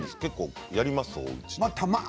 結構やります？